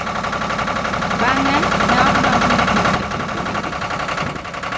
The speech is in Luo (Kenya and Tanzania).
Bang'e, ne odonjne ni oketho pinygi.